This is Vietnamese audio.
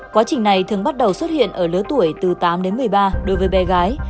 quá trình này thường bắt đầu xuất hiện ở lứa tuổi từ tám đến một mươi ba đối với bé gái